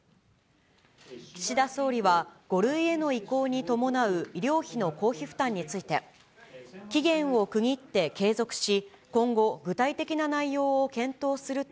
岸田総理は、５類への移行に伴う医療費の公費負担について、期限を区切って継続し、今後、具体的な内容を検討すると